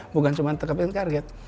bukan cuman tetapkan target